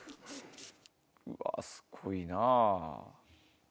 うわすごいなぁ。